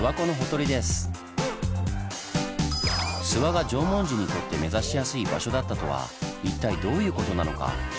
諏訪が縄文人にとって目指しやすい場所だったとは一体どういうことなのか？